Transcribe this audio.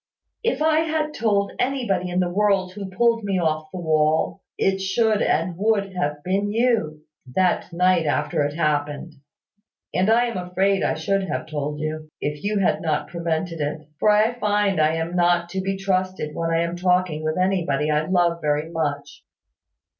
If I had told anybody in the world who pulled me off the wall, it should and would have been you, that night after it happened: and I am afraid I should have told you, if you had not prevented it: for I find I am not to be trusted when I am talking with anybody I love very much.